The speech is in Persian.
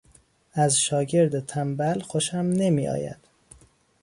از شاگرد تنبل خوشم نمیآید.